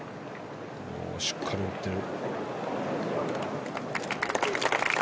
しっかり打ってる。